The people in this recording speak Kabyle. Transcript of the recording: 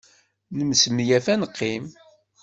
Nesmenyaf ad neqqim.